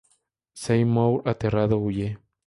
Seymour aterrado, huye.